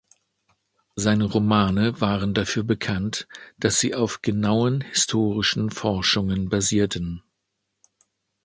Seine Romane waren dafür bekannt, dass sie auf genauen historischen Forschungen basierten.